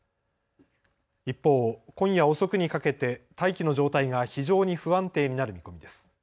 一方、今夜遅くにかけて大気の状態が非常に不安定になる見込みです。